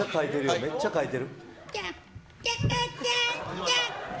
めっちゃ書いてる。